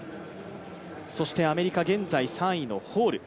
アメリカ、現在３位のホール。